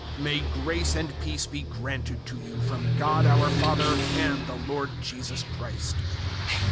001:002 May grace and peace be granted to you from God our Father and the Lord Jesus Christ.